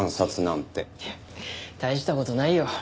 いや大した事ないよ。